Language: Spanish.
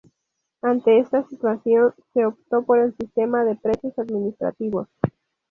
Ante esta situación, se optó por el sistema de precios administrados.